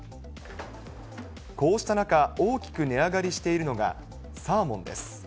こうした中、大きく値上がりしているのが、サーモンです。